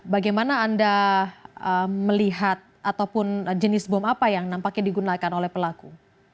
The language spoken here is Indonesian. bagaimana anda melihat ataupun jenis bom apa yang nampaknya digunakan oleh pelaku